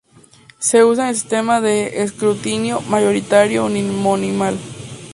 Se usa el sistema de escrutinio mayoritario uninominal.